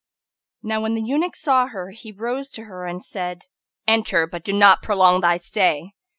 Now when the eunuch saw her, he rose to her, and said, "Enter, but do not prolong thy stay!"